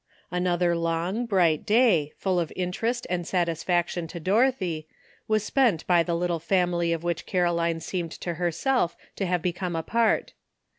Another long bright day, full of interest and satisfaction to Dorothy, was spent by the little family of which Caroline seemed to herself to have become a part.